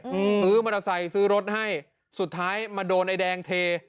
อืมซื้อมอเตอร์ไซค์ซื้อรถให้สุดท้ายมาโดนไอ้แดงเท